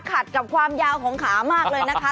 ขัดกับความยาวของขามากเลยนะคะ